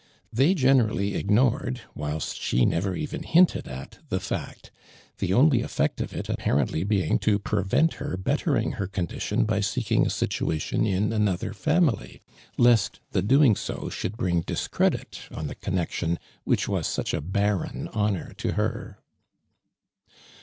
They generally ignored, whilst she never even hinted at the fact, the only effect of it apparently being to prevent her bettering her condition by seeking a situa tion in another family, lest the doing so should bring discredit on the connexion which was such a barren honor to her.